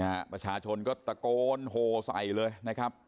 ประชาชนก็ตะโกนโหใส่เลยนะครับ